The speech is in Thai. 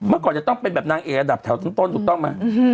ก่อนจะต้องเป็นแบบนางเอกอันดับแถวต้นถูกต้องไหม